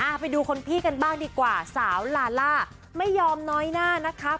ไปดูคนพี่กันบ้างดีกว่าสาวลาล่าไม่ยอมน้อยหน้านะคะ